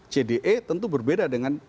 cde tentu berbeda dengan